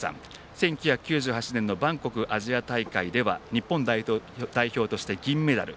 １９９８年のバンコクアジア大会では日本代表として銀メダル。